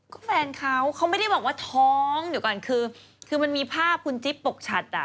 ก็แฟนเขาเขาไม่ได้บอกว่าท้องเดี๋ยวก่อนคือคือมันมีภาพคุณจิ๊บปกชัดอ่ะ